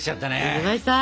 出来ました！